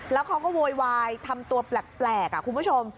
แล้วเขาก็โวยวายทำตัวแปลกคุณผู้ชม